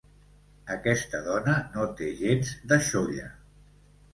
Aquesta dona no té gens de xolla.